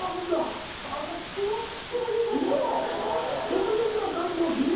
特別な乾燥機？